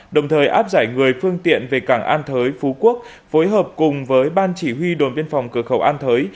đồng thời áp giải người phương tiện về cảng an thới phú quốc phối hợp cùng với ban chỉ huy đồn biên phòng cửa khẩu an thới